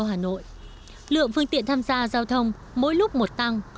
hà nội lượng phương tiện tham gia giao thông mỗi lúc một tăng